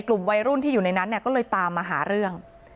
กลุ่มวัยรุ่นที่อยู่ในนั้นก็เลยตามมาหาเรื่อง